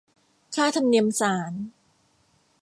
ค่าธรรมเนียมศาล